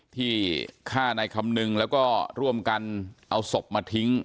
ที่ฆ่านายคำนึงแล้วก็ร่วมกันเอาศพมาทิ้ง